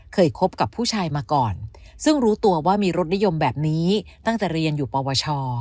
คบกับผู้ชายมาก่อนซึ่งรู้ตัวว่ามีรสนิยมแบบนี้ตั้งแต่เรียนอยู่ปวช